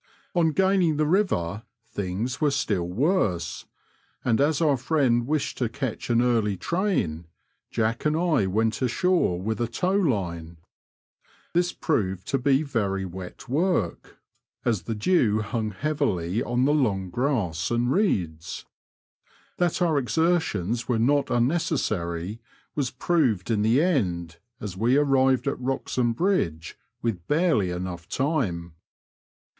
On gaining the river, things were still worse, and as our friend wished to catch an (Barly train. Jack and I went ashore with a tow line. This proved to be very wet work, as the dew hung heavily Digitized by VjOOQIC 70 BKOADS AND RIVERS OP NORFOLK AND SUFFOLK. on the long grass and reeds. That our exertions were not unnecessary was proved in the end, as we arrived at Wrox ham Bridge with harely enough time.